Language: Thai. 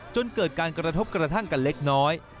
จนเกิดการกระทบกระทั่งกันเล็กน้อย